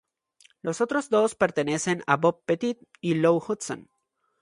Los otros dos pertenecen a Bob Pettit y Lou Hudson.